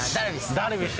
ダルビッシュ。